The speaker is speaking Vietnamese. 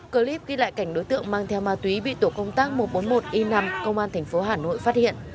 clip ghi lại cảnh đối tượng mang theo ma túy bị tổ công tác một trăm bốn mươi một i năm công an tp hà nội phát hiện